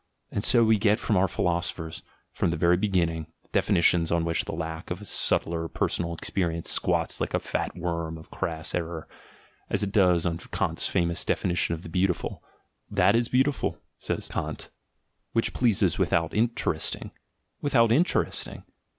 And so we get from our philosophers, from the very beginning, definitions on which the lack of a subtler personal experience squats like a fat worm of crass error, as it does on Kant's famous definition of the beautiful. "That is beautiful," says Kant, "which pleases without interesting." Without interesting!